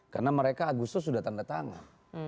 karena mereka agusus sudah tanda tangan